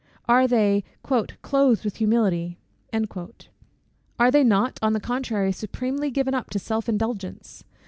Are they "clothed with humility?" Are they not, on the contrary, supremely given up to self indulgence?